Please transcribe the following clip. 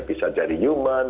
bisa jadi human